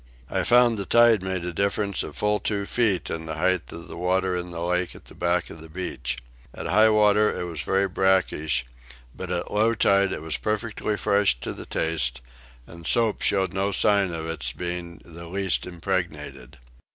I found the tide made a difference of full two feet in the height of the water in the lake at the back of the beach. At high water it was very brackish, but at low tide it was perfectly fresh to the taste, and soap showed no sign of its being the least impregnated.